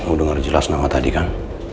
mau dengar jelas nama tadi kan